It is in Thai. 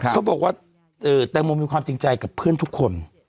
เขาบอกว่าแตงโมมีความจริงใจกับเพื่อนทุกคน